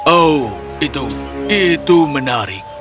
oh itu itu menarik